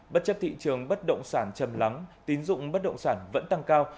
bất chấp thị trường bất động sản chầm lắng tín dụng bất động sản vẫn tăng cao